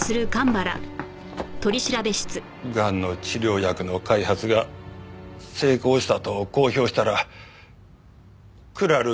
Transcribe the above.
がんの治療薬の開発が成功したと公表したらクラル